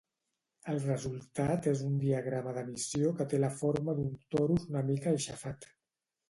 El resultat és un diagrama d'emissió que té la forma d'un torus una mica aixafat.